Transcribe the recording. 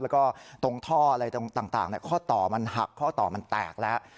แล้วก็ตรงท่ออะไรต่างข้อต่อมันหักข้อต่อมันแตกแล้ว